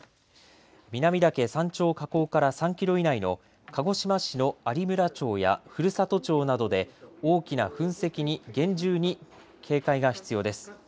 南岳山頂火口から３キロ以内の鹿児島市の有村町や古里町などで大きな噴石に厳重に警戒が必要です。